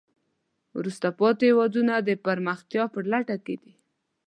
وروسته پاتې هېوادونه د پرمختیا په لټه کې دي.